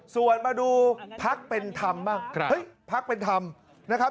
ส่วนมาดูพักเป็นธรรมบ้างเฮ้ยพักเป็นธรรมนะครับ